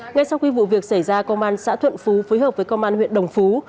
ngay sau khi vụ việc xảy ra công an xã thuận phú phối hợp với công an huyện đồng phú